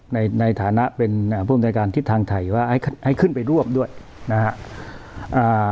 ในฐานะเป็นอ่าผู้อำนวยการทิศทางไทยว่าให้ให้ขึ้นไปร่วมด้วยนะฮะอ่า